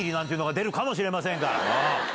出るかもしれませんから。